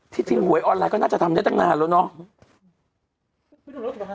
จริงหวยออนไลน์ก็น่าจะทำได้ตั้งนานแล้วเนาะ